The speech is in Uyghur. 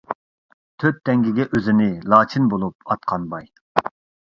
تۆت تەڭگىگە ئۆزىنى لاچىن بولۇپ ئاتقان باي.